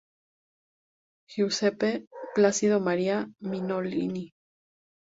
Giuseppe Placido Maria Nicolini.